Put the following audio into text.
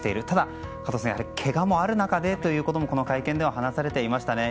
ただ、加藤さんけがもある中でということもこの会見では話されていました。